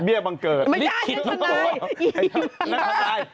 เบี้ยบังเกิดไม่ได้เป็นธนาย